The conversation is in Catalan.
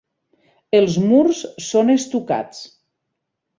Els murs són estucats.